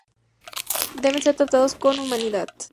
Deben ser tratados con humanidad.